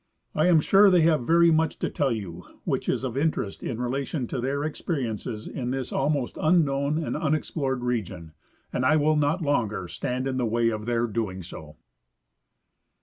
I am sure they have very much to tell you which is of interest in relation to their experiences in this almost unknown and unexplored region, and I will not longer stand in the way of their doing so.